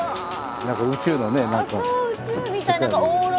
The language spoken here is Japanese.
何か宇宙のね何か。